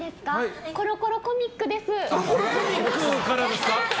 コロコロコミックです。